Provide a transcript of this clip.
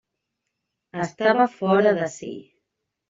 Estava fora de si.